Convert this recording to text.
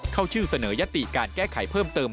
เข้าชื่อเสนอยติการแก้ไขเพิ่มเติม